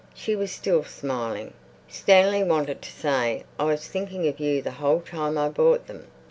She was still smiling. Stanley wanted to say, "I was thinking of you the whole time I bought them."